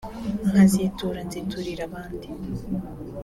nkazitura nziturira abandi